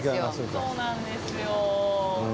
そうなんですよ。